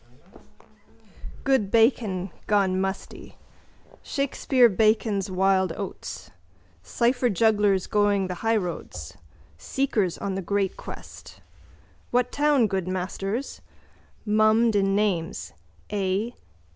Good Bacon: gone musty. Shakespeare Bacon's wild oats. Cypherjugglers going the highroads. Seekers on the great quest. What town, good masters? Mummed in names: A.